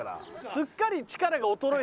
すっかり。